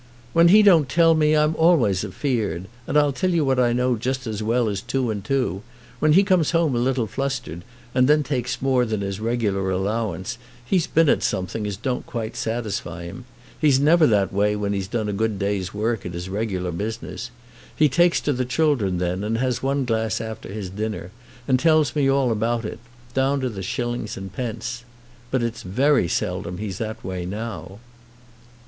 "When he don't tell me I'm always afeard. And I'll tell you what I know just as well as two and two. When he comes home a little flustered, and then takes more than his regular allowance, he's been at something as don't quite satisfy him. He's never that way when he's done a good day's work at his regular business. He takes to the children then, and has one glass after his dinner, and tells me all about it, down to the shillings and pence. But it's very seldom he's that way now."